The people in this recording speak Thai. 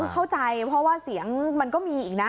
เข้าใจเพราะว่าเสียงมันก็มีอีกนะ